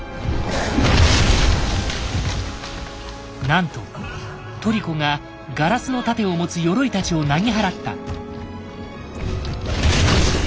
なんとトリコがガラスの盾を持つヨロイたちをなぎ払った。